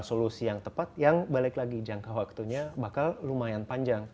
solusi yang tepat yang balik lagi jangka waktunya bakal lumayan panjang